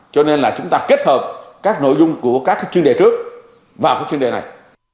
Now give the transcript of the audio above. cho nên là chúng ta kết hợp các nội dung của các chuyên đề trước vào cái chuyên đề này